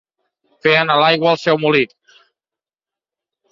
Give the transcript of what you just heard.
Fer anar l'aigua al seu molí.